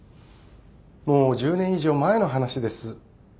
もう１０年以上前の話です。